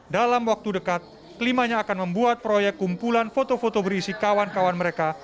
dalam waktu dekat kelimanya akan membuat proyek kumpulan foto foto berisi kawan kawan mereka